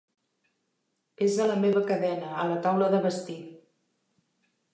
És a la meva cadena, a la taula de vestir.